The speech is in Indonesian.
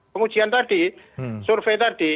pengujian tadi survei tadi